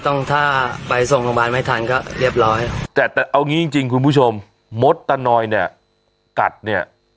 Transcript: ต้องถ้าไปส่งโรงพยาบาลไม่ทันก็เรียบร้อยแต่แต่เอางี้จริงจริงคุณผู้ชมมดตะนอยเนี่ยกัดเนี่ย